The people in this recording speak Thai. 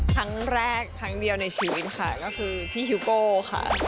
ครั้งแรกครั้งเดียวในชีวิตค่ะก็คือพี่ฮิวโก้ค่ะ